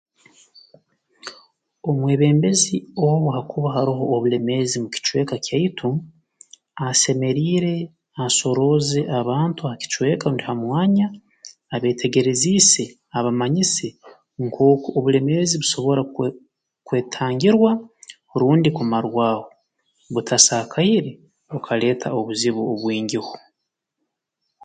Omwebembezi obu hakuba haroho obulemeezi mu kicweka kyaitu asemeriire asorooze abantu ha kicweka rundi ha mwanya abeetegereziise abamanyise nkooku obulemeezi busobora kwe kwetangirwa rundi kumarwaho butasaakaire bukaleeta obuzibu obwingiho